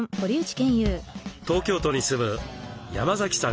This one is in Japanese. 東京都に住む山崎さん